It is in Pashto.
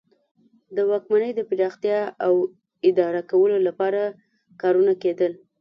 د واکمنۍ د پراختیا او اداره کولو لپاره کارونه کیدل.